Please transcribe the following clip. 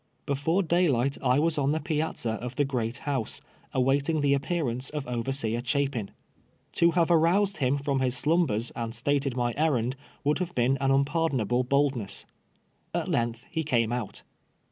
Before daylight I was on the piazza of the " great house,'' awaiting the appearance of over seer Chapin. To have aroused him from his slumbers and stated my errand, would have been an unpardon able boldness. At length he came out.